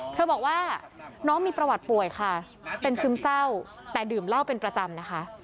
เธอบอกว่าน้องมีประวัติป่วยค่ะเป็นซึมเศร้าแต่ดื่มเหล้าเป็นประจำนะคะ